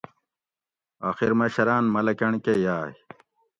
آخر مشراۤن ملاکنڈ کہ یاۤگ